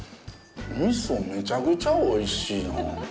味噌、めちゃくちゃおいしいな。